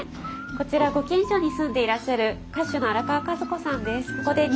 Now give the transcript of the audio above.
こちらご近所に住んでいらっしゃる歌手の荒川和子さんです。